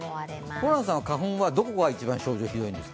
ホランさんは花粉はどこが一番症状がひどいんですか？